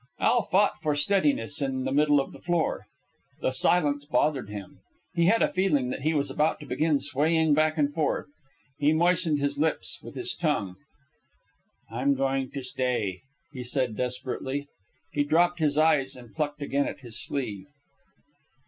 Al fought for steadiness in the middle of the floor. The silence bothered him. He had a feeling that he was about to begin swaying back and forth. He moistened his lips with his tongue. "I'm going to stay," he said desperately. He dropped his eyes and plucked again at his sleeve.